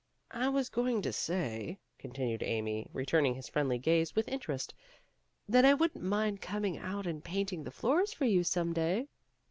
"I was going to say," continued Amy, re turning his friendly gaze with interest, "that I wouldn't mind coming out and painting the floors for you some day."